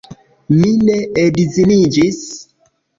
Mi ne edziniĝis.